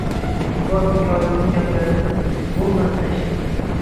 Hakim Mikoyilning gaplarini bo`lmasdan eshitdi